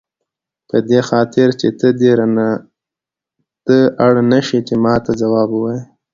په دې خاطر چې ته دې ته اړ نه شې چې ماته ځواب ووایې.